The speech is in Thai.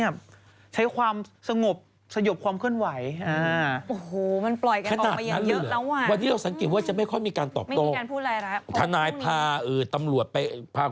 บางคนก็บอกว่าเดี๋ยวจะไม่มีโอกาสได้ถ่ายหรือเปล่า